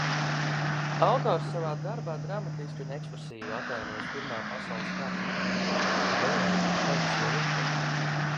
Autors darbā dramatiski un ekspresīvi atainojis Pirmā pasaules kara latviešu bēgļu traģisko likteni.